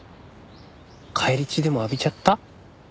返り血でも浴びちゃった？